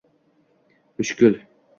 Mushkul